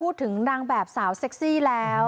พูดถึงนางแบบสาวเซ็กซี่แล้ว